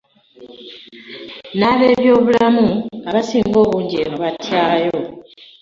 N'abeebyobulami abasinga obungi eno batyayo